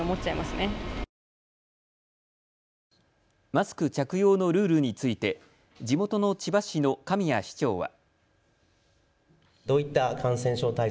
マスク着用のルールについて地元の千葉市の神谷市長は。